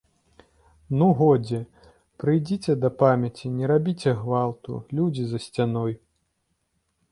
Ну, годзе, прыйдзіце да памяці, не рабіце гвалту, людзі за сцяной.